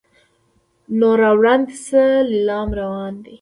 نو را وړاندې دې شي لیلام روان دی.